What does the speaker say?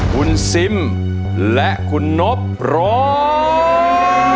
คุณซิมและคุณนบร้อง